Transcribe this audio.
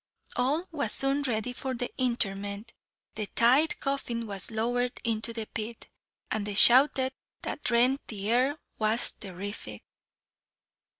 All was soon ready for the interment; the tithe coffin was lowered into the pit, and the shouting that rent the air was terrific.